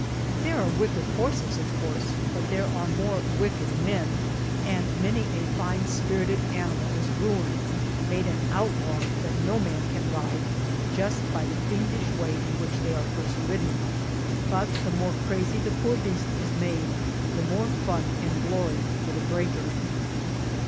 There are wicked horses, of course, but there are more wicked men, and many a fine, spirited animal is ruined, made an "outlaw" that no man can ride, just by the fiendish way in which they are first ridden. But the more crazy the poor beast is made, the more fun and glory for the breaker.